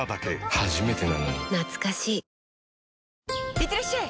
いってらっしゃい！